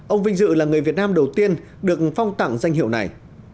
ông vinh dự là người việt nam đầu tiên được phong tặng danh hiệu này